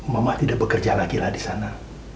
mama tidak bekerja lagi lah disana